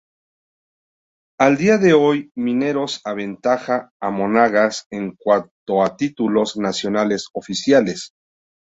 Al día de hoy Mineros aventaja a Monagas en cuanto a títulos nacionales oficiales.